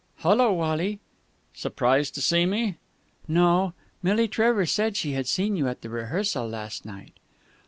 "Hullo, Wally!" "Surprised to see me?" "No. Milly Trevor said she had seen you at the rehearsal last night."